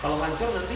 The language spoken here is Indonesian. kalau hancur nanti